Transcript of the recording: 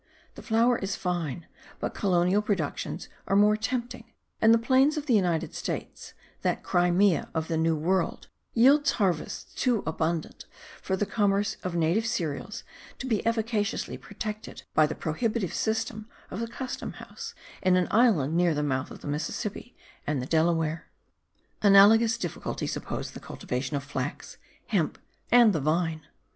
The flour is fine; but colonial productions are more tempting, and the plains of the United States that Crimea of the New World yield harvests too abundant for the commerce of native cereals to be efficaciously protected by the prohibitive system of the custom house, in an island near the mouth of the Mississippi and the Delaware. Analogous difficulties oppose the cultivation of flax, hemp, and the vine.